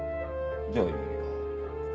じゃあいいや。